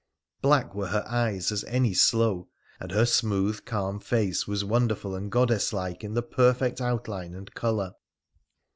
Black were her eyes as any sloe, and her smooth calm face was wonderful and goddess like in the perfect outline and colour.